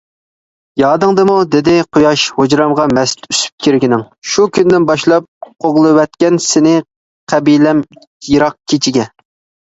يادىڭدىمۇ؟ دېدى قۇياش، ھۇجرامغا مەست ئۈسۈپ كىرگىنىڭ؟ شۇ كۈندىن باشلاپ قوغلىۋەتكەن سېنى قەبىلەم يىراق كېچىگە.